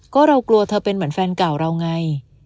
ก็เรากลัวเธอเป็นเหมือนแฟนเก่าเราไง